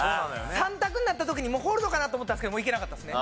３択になった時にホールドかなって思ったんですけどいけなかったですね。